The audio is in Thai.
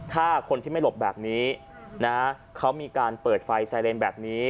ถ้าคนที่ไม่หลบแบบนี้นะเขามีการเปิดไฟไซเรนแบบนี้